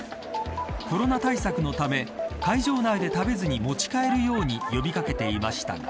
コロナ対策のため会場内で食べずに持ち帰るように呼び掛けていましたが。